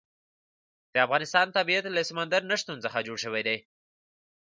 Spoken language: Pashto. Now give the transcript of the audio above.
د افغانستان طبیعت له سمندر نه شتون څخه جوړ شوی دی.